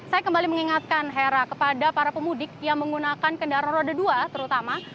dan saya kembali mengingatkan hera kepada para pemudik yang menggunakan kendaraan roda dua terutama